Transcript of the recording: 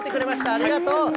ありがとう。